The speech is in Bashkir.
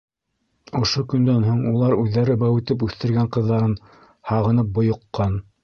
Ошо көндән һуң улар үҙҙәре бәүетеп үҫтергән ҡыҙҙарын һағынып бойоҡҡан.